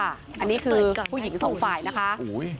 อันนี้คือผู้หญิงสองฝ่ายนะคะ